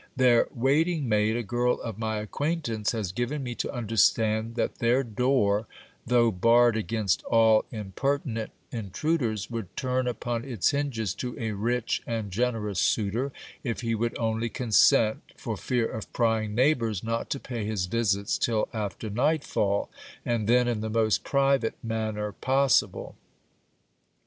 Their waiting maid, a girl of my acquaintance, has given me to understand that their door, though barred against all impertinent intruders, would turn upon its hinges to a rich and generous suitor, if he would only consent, for fear of prying neighbours, not to pay his visits till after night fall, and then in the most private manner possible.